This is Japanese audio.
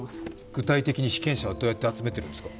具体的に被験者はどうやって集めているんですか？